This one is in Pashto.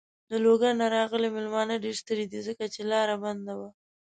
له لوګر نه راغلی مېلمانه ډېر ستړی دی. ځکه چې لاره بنده وه.